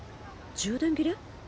充電切れ？